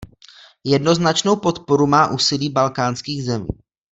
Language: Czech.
Jednoznačnou podporu má úsilí Balkánských zemí.